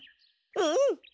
うん。